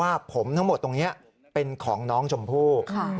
ว่าผมทั้งหมดตรงนี้เป็นของน้องชมพู่